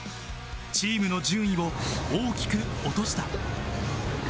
チームの順位を大きく落とした。